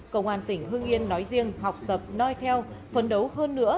công an tỉnh hương yên nói riêng học tập noi theo phấn đấu hơn nữa